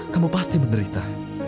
kamu pasti menderita